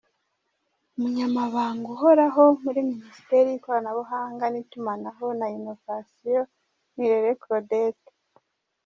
Umunyamabanga uhoraho muri Ministeri y’ikoranabuhanga n’itumanaho na inovasiyo ni Irere Claudette